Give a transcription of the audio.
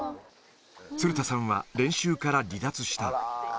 鶴田さんは練習から離脱した。